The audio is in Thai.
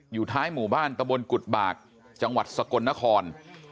อยู่ท้ายหมู่บ้านตะบนกุฎบากจังหวัดสกลนคร